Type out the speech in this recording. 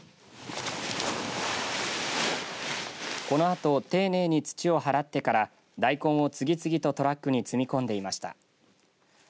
このあと丁寧に土を払ってから大根を次々とトラックに積み込んでいました。